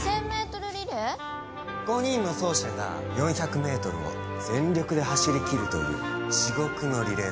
５人の走者が４００ｍを全力で走り切るという地獄のリレーだ。